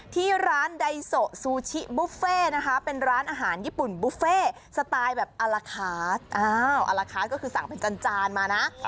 ที่ร้านไดโซซูชิบุฟเฟ่นะคะเป็นร้านอาหารญี่ปุ่นบุฟเฟ่สไตล์แบบอาลาคาสอ้าวอลาคาร์ดก็คือสั่งเป็นจานมานะ